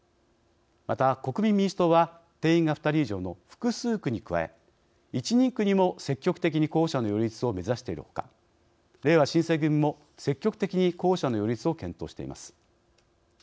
また国民民主党は定員が２人以上の複数区に加え１人区にも積極的に候補者の擁立を目指しているほかれいわ新選組も積極的に候補者の擁立を検討しています。